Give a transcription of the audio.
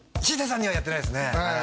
ひでさんにはやってないですね